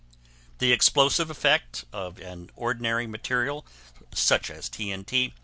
The explosive effect of an ordinary material such as T.N.T.